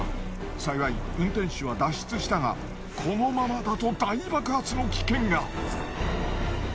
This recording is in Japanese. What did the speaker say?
幸い運転手は脱出したがこのままだと大爆発の危険が！